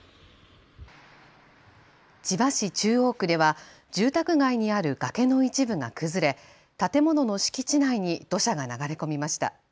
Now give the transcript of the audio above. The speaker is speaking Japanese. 千葉市中央区では住宅街にある崖の一部が崩れ建物の敷地内に土砂が流れ込みました。